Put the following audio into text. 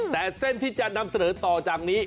แต่เส้นที่จะนำเสนอต่อจากนี้